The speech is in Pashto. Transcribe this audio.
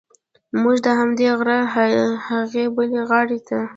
موږ د همدې غره هغې بلې غاړې ته.